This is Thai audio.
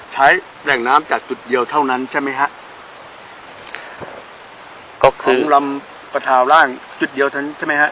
ใช้แหล่งน้ำจากจุดเดียวเท่านั้นใช่ไหมฮะก็คือลำประทาวร่างจุดเดียวเท่านั้นใช่ไหมฮะ